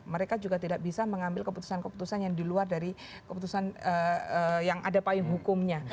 mereka juga tidak bisa mengambil keputusan keputusan yang di luar dari keputusan yang ada payung hukumnya